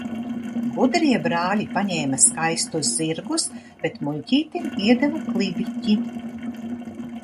Gudrie brāļi paņēma skaistus zirgus, bet muļķītim iedeva klibiķi.